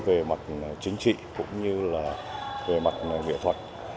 về mặt chính trị cũng như là về mặt nghệ thuật